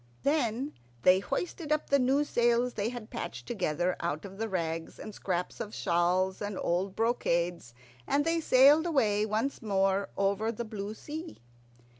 Then they hoisted up the new sails they had patched together out of the rags and scraps of shawls and old brocades, and they sailed away once more over the blue sea.